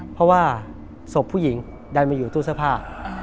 เพราะว่าศพผู้หญิงดันมาอยู่ตู้เสื้อผ้า